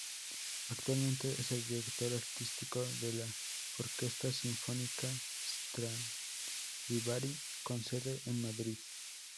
Actualmente es el director artístico de la Orquesta Sinfónica Stradivari con sede en Madrid.